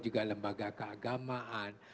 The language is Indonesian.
juga lembaga keagamaan